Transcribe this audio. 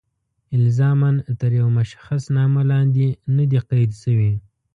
الزاماً تر یوه مشخص نامه لاندې نه دي قید شوي.